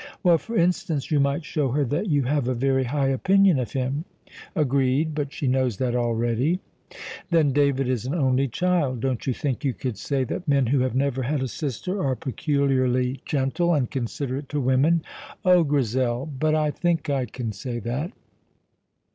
"Well, for instance, you might show her that you have a very high opinion of him." "Agreed. But she knows that already." "Then, David is an only child. Don't you think you could say that men who have never had a sister are peculiarly gentle and considerate to women?" "Oh, Grizel! But I think I can say that."